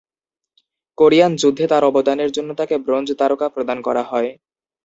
Korean যুদ্ধে তার অবদানের জন্য তাকে ব্রোঞ্জ তারকা প্রদান করা হয়।